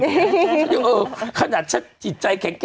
ฉันยังเออขนาดฉันจิตใจแข็งแกร